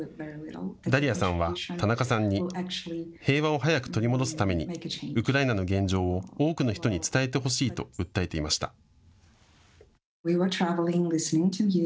ダリアさんは田中さんに平和を早く取り戻すためにウクライナの現状を多くの人に伝えてほしいと訴えていました。